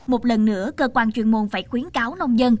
một lần nữa cơ quan chuyên môn phải khuyến cáo nông dân